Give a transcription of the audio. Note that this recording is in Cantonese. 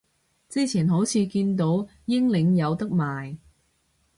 之前好似見到英領有得賣